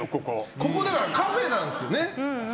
ここカフェなんですよね。